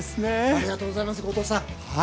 ありがとうございます後藤さん。